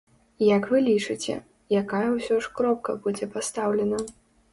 Як вы лічыце, якая ўсё ж кропка будзе пастаўлена?